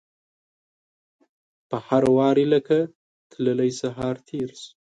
په هر واري لکه تللی سهار تیر شو